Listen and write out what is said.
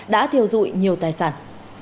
đã tiêu dụi nhiều tài sản